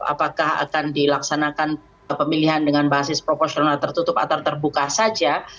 apakah akan dilaksanakan pemilihan dengan basis proporsional tertutup atau terbuka saja